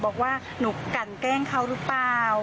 บอกว่าหนูกันแกล้งเขาหรือเปล่า